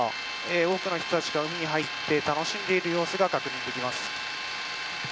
多くの人たちが海に入って楽しんでいる様子が確認できます。